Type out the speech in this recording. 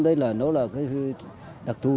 đây là nó là cái đặc thù